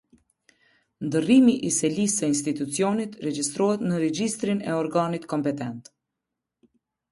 Ndërrimi i selisë së institucionit regjistrohet në regjistrin e organit kompetent.